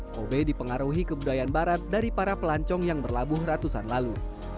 kobe dipengaruhi kebudayaan barat dari para pelancong yang berlabuh ratusan lalu